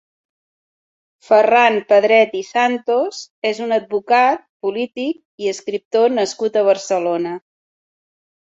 Ferran Pedret i Santos és un advocat, polític i escriptor nascut a Barcelona.